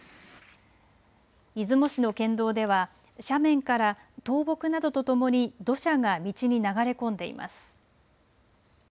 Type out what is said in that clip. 出雲市の県道では斜面から倒木などとともに土砂が道に流れ込んでいます。